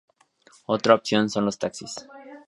Otra opción son los taxis.